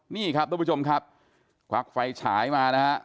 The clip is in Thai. นี่ครับทุกผู้ชมครับควักไฟฉายมานะฮะ